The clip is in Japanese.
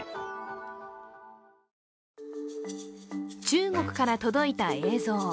中国から届いた映像。